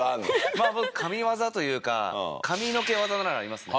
まあ僕神ワザというか髪の毛ワザならありますね。